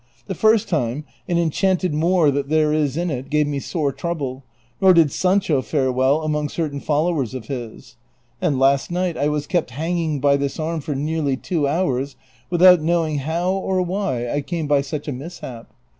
The first time, an en chanted Moor that there is in it gave me sore trouble, nor did Sancho fare well among certain followers of his ; and last night I was kept hanging by this arm for nearly two hours, with out knowing how or why I came by such a mislia}).